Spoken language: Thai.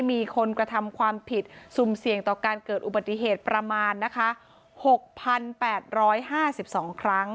มีคนกระทำความผิดสุ่มเสี่ยงต่อการเกิดอุบัติเหตุประมาณนะคะ๖๘๕๒ครั้ง